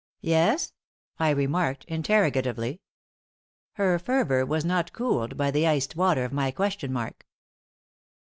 "Yes?" I remarked, interrogatively. Her fervor was not cooled by the iced water of my question mark.